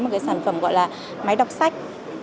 một cái sản phẩm gọi là máy đọc sách